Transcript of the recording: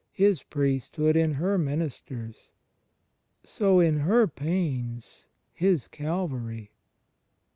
His priesthood in her ministers, so in her pains His Calvary.